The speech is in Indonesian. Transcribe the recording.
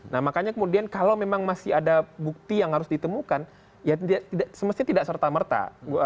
nah makanya kemudian kalau memang masih ada bukti yang harus ditemukan ya semestinya tidak serta merta